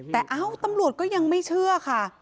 แต่ตำรวจก็ยังไม่เชื่อ